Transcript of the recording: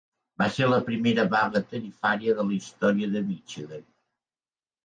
Va ser la primera vaga tarifària de la història de Michigan.